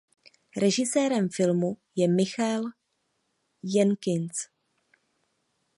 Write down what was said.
Režisérem filmu je Michael Jenkins.